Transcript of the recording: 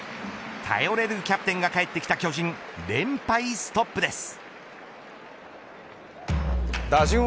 頼れるキャプテンが帰ってきた巨人連敗ストップです。